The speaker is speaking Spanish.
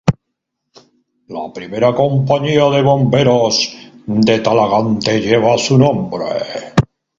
La primera compañía de bomberos de Talagante lleva su nombre.